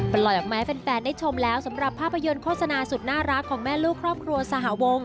ปล่อยออกมาให้แฟนได้ชมแล้วสำหรับภาพยนตร์โฆษณาสุดน่ารักของแม่ลูกครอบครัวสหวง